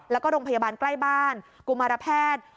แล้วก็โรงพยาบาลใกล้บ้านกุมารแพทย์